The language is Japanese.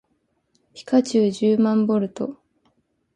ピカチュウじゅうまんボルト